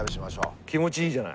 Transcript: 気持ちいいじゃない。